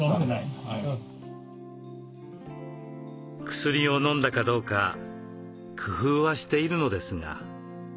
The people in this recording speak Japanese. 薬をのんだかどうか工夫はしているのですが。